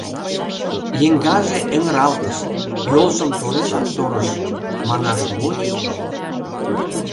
Еҥгаже эҥыралтыш, йолжым торешак торыш, манаш мо ли?..